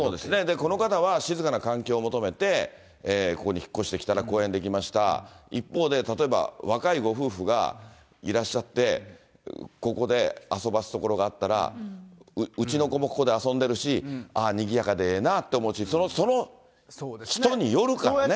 この方は静かな環境を求めてここに引っ越してきたら公園出来ました、一方で、例えば若いご夫婦がいらっしゃって、ここで遊ばす所があったら、うちの子もここで遊んでるし、ああ、にぎやかでええなあと思うし、その人によるからね。